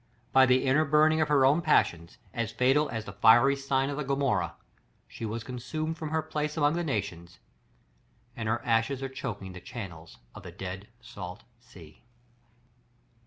By the inner burning of her own passions, as fatal as the fiery reign of Gomorrah, she was consumed from her place among the nations; and her ashes are choking the channels of the dead salt sea.